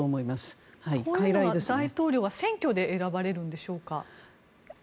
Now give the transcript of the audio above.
こういうのは大統領は選挙で選ばれるんでしょうか？